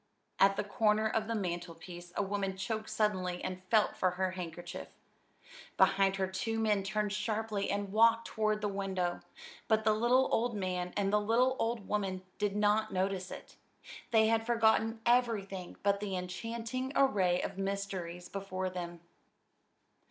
At the corner of the mantelpiece a woman choked suddenly and felt for her handkerchief. Behind her two men turned sharply and walked toward the window; but the little old man and the little old woman did not notice it. They had forgotten everything but the enchanting array of mysteries before them.